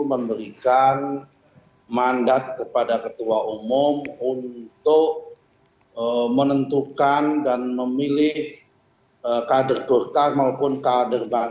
memberikan mandat kepada ketua umum untuk menentukan dan memilih kader golkar